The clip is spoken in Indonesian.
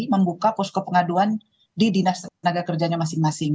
membuka posko pengaduan didinas tenaga kerja masing masing